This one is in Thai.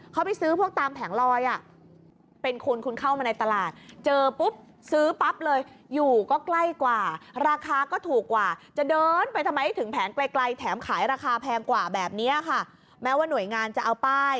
เค้าไปซื้อพวกตามแผงลอยนั้นอ่ะ